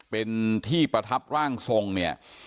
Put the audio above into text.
เป็นที่ประทับร่างทรงเนี่ย